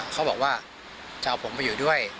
เขาบอกว่าจะเอาผมไปอยู่ด้วย